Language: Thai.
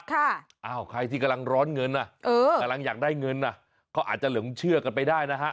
อ้าวใครที่กำลังร้อนเงินอ่ะเออกำลังอยากได้เงินอ่ะเขาอาจจะหลงเชื่อกันไปได้นะฮะ